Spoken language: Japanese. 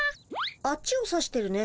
あっちを指してるね。